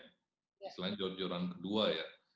istilahnya jor joran kedua ya